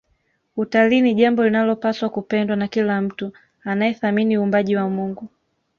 Utalii ni jambo linalopaswa kupendwa na kila mtu anayethamini uumbaji wa Mungu